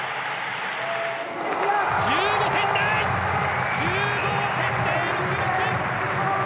１５点台。１５．０６６。